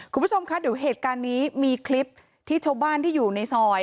คุณผู้ชมคะเดี๋ยวเหตุการณ์นี้มีคลิปที่ชาวบ้านที่อยู่ในซอย